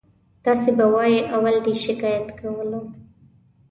تاسې به وایئ اول دې شکایت کولو.